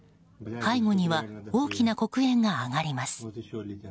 背後には大きな黒煙が上がります。